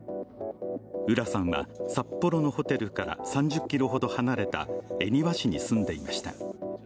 浦さんは札幌のホテルから３０ｋｍほど離れた恵庭市に住んでいました。